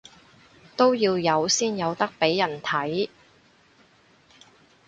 都要有先有得畀人睇